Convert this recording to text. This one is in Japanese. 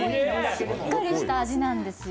しっかりした味なんですよ。